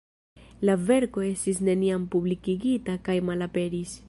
La verko estis neniam publikigita kaj malaperis.